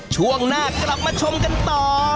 ช่วงหน้ากลับมาชมกันต่อ